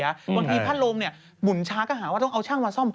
บางทีพัดลมหมุนช้าก็หาว่าต้องเอาช่างมาซ่อม